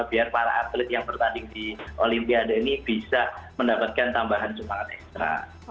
biar para atlet yang bertanding di olimpiade ini bisa mendapatkan tambahan semangat ekstra